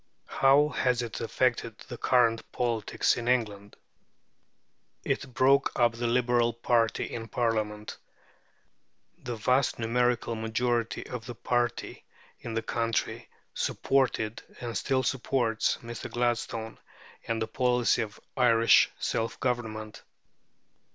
How has it affected the current politics of England? It broke up the Liberal party in Parliament. The vast numerical majority of that party in the country supported, and still supports, Mr. Gladstone and the policy of Irish self government.